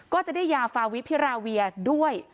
ก็จะได้ยาฟาวิพิราเวียด้วย